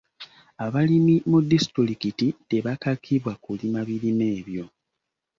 Abalimi mu disitulikiti tebakakibwa kulima birime ebyo.